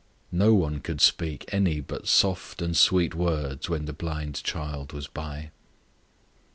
No one could speak any but soft and sweet words when the blind child was by.